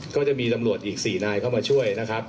ก็จะมีตำรวจอีก๔นายเข้ามาช่วยนะครับ